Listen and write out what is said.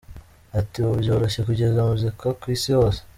Ati “ Ubu byaroroshye kugeza muzika ku isi hose.